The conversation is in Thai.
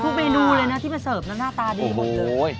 เมนูเลยนะที่มาเสิร์ฟแล้วหน้าตาดีหมดเลย